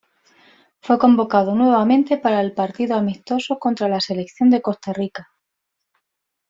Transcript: Fue convocado nuevamente para el partido amistoso contra la selección de Costa Rica.